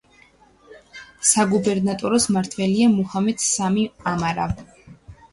საგუბერნატოროს მმართველია მუჰამედ სამი ამარა.